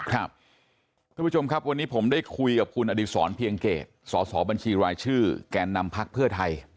คุณผู้ชมครับวันนี้ผมได้คุยกับคุณอดีศรเพียงเกตสสบัญชีรายชื่อแก่นนำพักเพื่อไทย